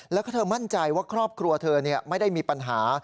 แล้วก็เธอมั่นใจว่าครอบครัวเธอไม่ได้มีปัญหา